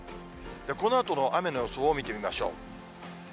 このあとの雨の予想を見てみましょう。